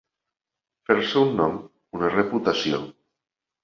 Fer-se un nom, una reputació.